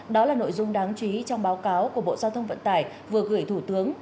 đó là nội dung đáng chú ý trong báo cáo của bộ giao thông vận tải vừa gửi thủ tướng